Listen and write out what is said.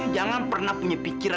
bayangkan lagi dua ini dia